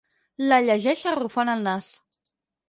La llegeix arrufant el nas.